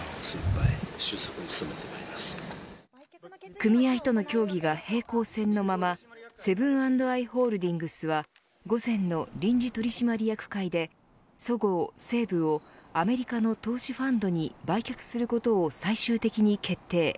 組合との協議が平行線のままセブン＆アイ・ホールディングスは午前の臨時取締役会でそごう・西武をアメリカの投資ファンドに売却することを最終的に決定。